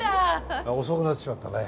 遅くなってしまったね。